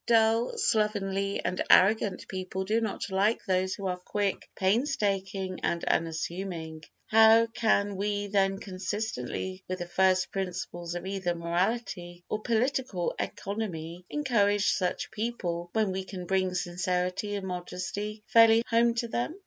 Dull, slovenly and arrogant people do not like those who are quick, painstaking and unassuming; how can we then consistently with the first principles of either morality or political economy encourage such people when we can bring sincerity and modesty fairly home to them?